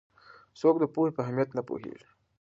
څوک د پوهې په اهمیت نه پوهېږي؟